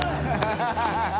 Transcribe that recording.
ハハハ